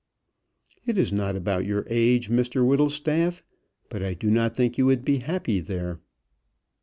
"It is not about your age, Mr Whittlestaff; but I do not think you would be happy there."